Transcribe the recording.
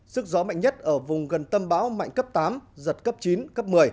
sức gió mạnh nhất ở vùng gần tâm bão mạnh cấp tám giật cấp chín cấp một mươi